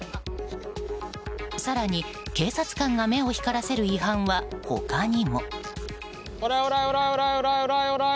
更に、警察官が目を光らせる違反は他にも。